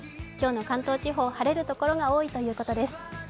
今日の関東地方、晴れるところが多いということです。